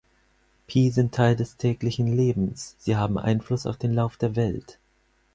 Phi sind Teil des täglichen Lebens, sie haben Einfluss auf den Lauf der Welt.